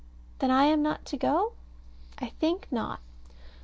Then am I not to go? I think not.